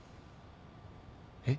えっ？